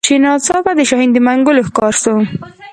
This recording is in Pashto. چي ناڅاپه د شاهین د منګول ښکار سو